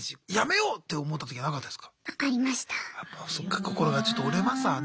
そっか心がちょっと折れますわね。